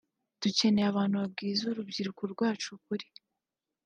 Dukeneye abantu babwiza urubyiruko rwacu ukuri